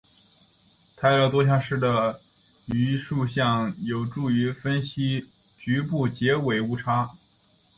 泰勒多项式的余数项有助于分析局部截尾误差。